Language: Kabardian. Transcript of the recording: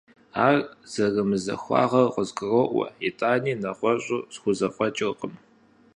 Ар зэрымызахуагъэр къызгуроӀуэ, итӀани, нэгъуэщӀу схузэфӀэкӀыркъым.